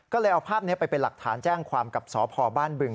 ก็เลยเอาภาพนี้ไปเป็นหลักฐานแจ้งความกับสพบ้านบึง